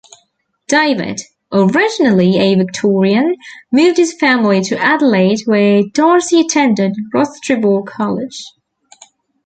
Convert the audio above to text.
David, originally a Victorian, moved his family to Adelaide where Darcy attended Rostrevor College.